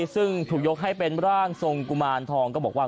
ซึ่งถูกยกให้เป็นร่างทรงกุมารทองก็บอกว่า